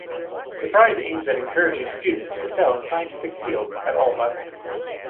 The Prize aims at encouraging students to excel in scientific fields at all levels.